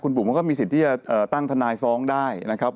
บุ๋มมันก็มีสิทธิ์ที่จะตั้งทนายฟ้องได้นะครับ